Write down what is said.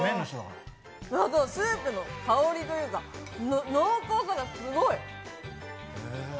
スープの香りというか、濃厚さがすごい！